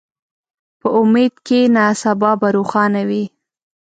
په امید کښېنه، سبا به روښانه وي.